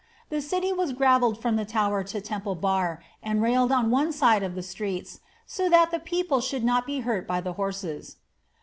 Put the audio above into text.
The city was gravplled from the Tower to Temple Bar, and railed on one side of the streets, so ^ that the people should not be hurt by the horses."